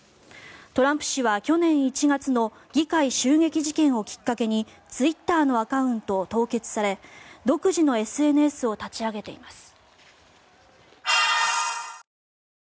トランプ氏は去年１月の議会襲撃事件をきっかけにツイッターのアカウントを凍結され独自のＳＮＳを立ち上げています。